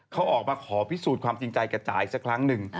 เขาออกมาขอพิสูจน์ความจริงใจกับจ่ายสักครั้งหนึ่ง